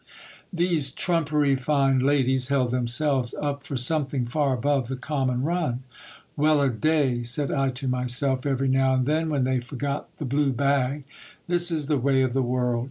These trumpery fine ladies held themselves up for something far above the common run. Well a day ! said I to myself, every now and then, when they forgot the blue bag : this is the way of the world